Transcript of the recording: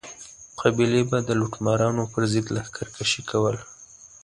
قبیلې به د لوټمارانو پر ضد لښکر کشي کوله.